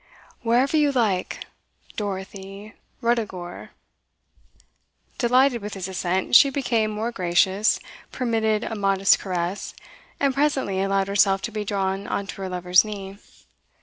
'Wherever you like. "Dorothy," "Ruddigore "' Delighted with his assent, she became more gracious, permitted a modest caress, and presently allowed herself to be drawn on to her lover's knee.